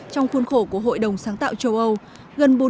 trong khuôn khổ của hội đồng sáng tạo châu âu